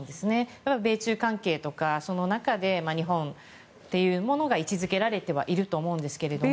だから米中関係とかその中で日本というものが位置付けられてはいると思うんですけども。